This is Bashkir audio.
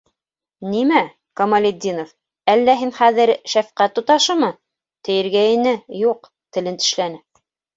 «Нимә, Камалетдинов, әллә һин хәҙер шәфҡәт туташымы?» - тиергә ине, юҡ, телен тешләне.